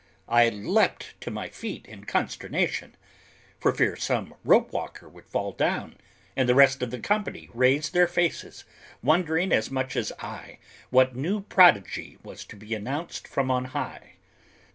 I leaped to my feet in consternation, for fear some rope walker would fall down, and the rest of the company raised their faces, wondering as much as I what new prodigy was to be announced from on high.